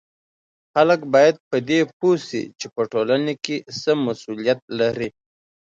خلک باید په دې پوه سي چې په ټولنه کې څه مسولیت لري